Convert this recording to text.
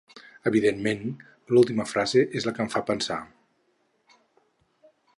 Evidentment, l’última frase és la que em fa pensar.